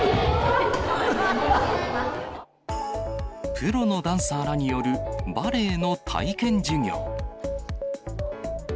プロのダンサーらによるバレエの体験授業。